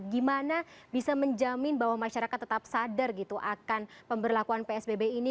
gimana bisa menjamin bahwa masyarakat tetap sadar gitu akan pemberlakuan psbb ini